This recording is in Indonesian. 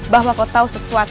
bahwa kau tahu sesuatu